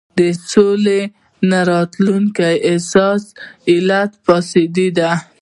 د سولې د نه راتګ اساسي علت فساد دی.